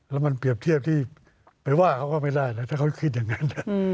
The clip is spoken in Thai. แล้วมันเปรียบเทียบที่ไปว่าเขาก็ไม่ได้แล้วถ้าเขาคิดอย่างนั้น